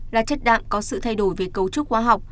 là chất đạm có sự thay đổi về cấu trúc khoa học